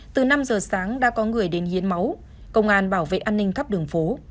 từ năm giờ sáng đã có người đến hiến máu công an bảo vệ an ninh khắp đường phố